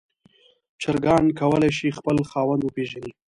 چرګان کولی شي خپل خاوند وپیژني.